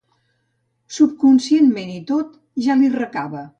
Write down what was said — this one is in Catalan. Subconscient ment i tot, ja li recava